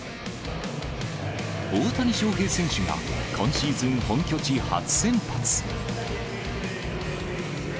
大谷翔平選手が今シーズン本拠地初先発。